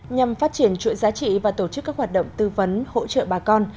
nhằm phát triển chuỗi giá trị và tổ chức các hoạt động tư vấn hỗ trợ bà con